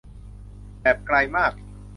แบบไกลมาก